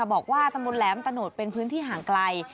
ตำบลแหลมตะโนดเป็นพื้นที่ห่างไกล